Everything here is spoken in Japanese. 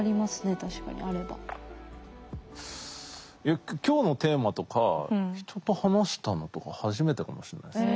いや今日のテーマとか人と話したのとか初めてかもしれないです。